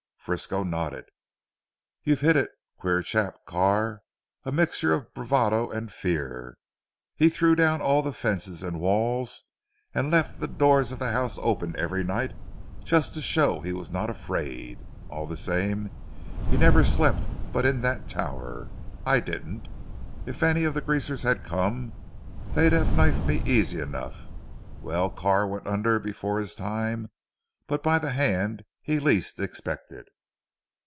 Frisco nodded. "You've hit it. Queer chap Carr, a mixture of bravado and fear. He threw down all the fences and walls and left the doors of the house open every night just to show he was not afraid. All the same he never slept but in that tower. I didn't. If any of the greasers had come, they'd have knifed me easy enough. Well Carr went under before his time but by the hand he least expected."